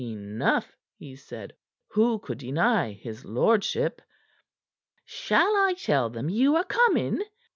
"Enough!" he said. "Who could deny his lordship?" "Shall I tell them you are coming?"